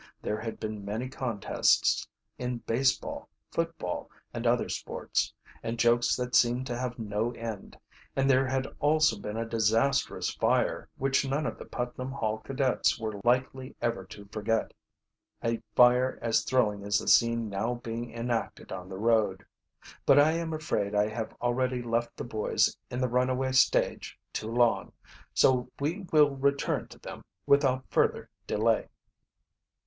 There had been many contests, in baseball, football, and other sports, and jokes that seemed to have no end, and there had also been a disastrous fire, which none of the Putnam Hall cadets were likely ever to forget a fire as thrilling as the scene now being enacted on the road. But I am afraid I have already left the boys in the runaway stage too long, so we will return to them without further delay.